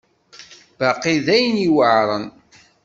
Baqi d ayen yuɛren.